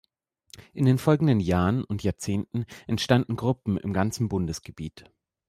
In den folgenden Jahren und Jahrzehnten entstanden Gruppen im ganzen Bundesgebiet.